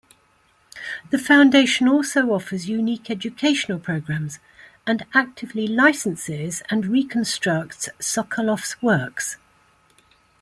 The foundation also offers unique educational programs and actively licenses and reconstructs Sokolow's works.